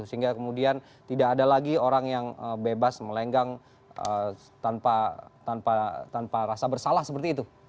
sehingga kemudian tidak ada lagi orang yang bebas melenggang tanpa rasa bersalah seperti itu